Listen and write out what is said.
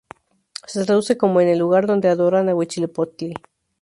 Se traduce como 'En el lugar donde adoran a Huitzilopochtli'.